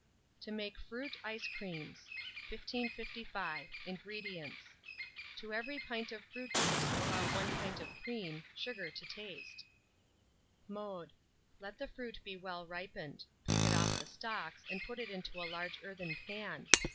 TO MAKE FRUIT ICE CREAMS. 1555. INGREDIENTS. To every pint of fruit juice allow 1 pint of cream; sugar to taste. Mode. Let the fruit be well ripened; pick it off the stalks, and put it into a large earthen pan.